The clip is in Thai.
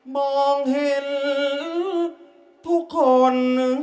มองเห็นทุกคน